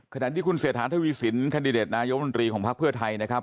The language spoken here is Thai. ขณะที่คุณเศรษฐาทวีสินแคนดิเดตนายมนตรีของพักเพื่อไทยนะครับ